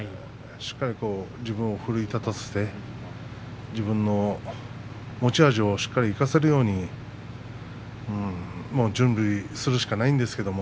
しっかり自分を奮い立たせて自分の持ち味を、しっかり生かせる相撲をするしかないですね。